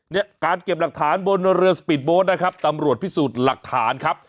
เนี่ยการเก็บหลักฐานบนเรือสปีดโบสต์นะครับตำรวจพิสูจน์หลักฐานครับ